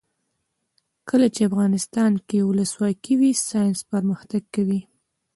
کله چې افغانستان کې ولسواکي وي ساینس پرمختګ کوي.